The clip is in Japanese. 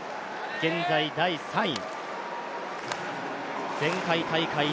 現在第３位。